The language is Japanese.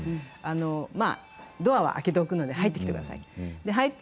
ドアは開けておくので入ってきてください